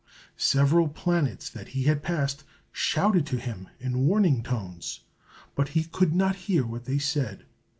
Several planets that he passed shouted to him in warning tones, but he could not hear what they said.